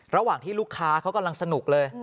ระหว่างที่ลูกค้าเขากำลังสนุกเลย